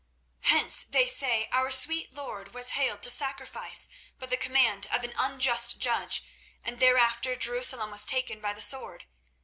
Hence, they say, our sweet Lord was haled to sacrifice by the command of an unjust judge, and thereafter Jerusalem was taken by the sword.